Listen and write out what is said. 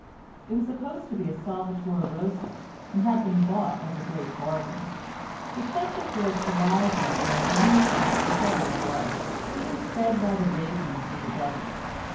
It was supposed to be a Salvator Rosa, and had been bought as a great bargain. The subject was Elijah or Elisha (whichever it was) being fed by the ravens in the desert.